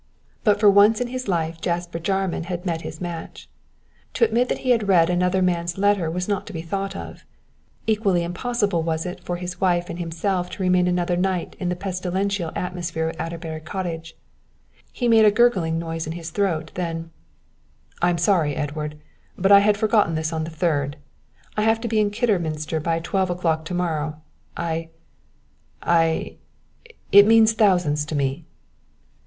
But for once in his life Jasper Jarman had met his match. To admit that he had read another man's letter was not to be thought of. Equally impossible was it for his wife and himself to remain another night in the pestilential atmosphere of Adderbury Cottage. He made a gurgling noise in his throat, then: "I'm sorry, Edward, but I had forgotten this is the 3rd. I have to be in Kidderminster by twelve o'clock to morrow I I it means thousands to me."